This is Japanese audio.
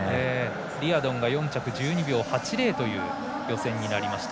リアドンが４着１２秒８０という予選になりました。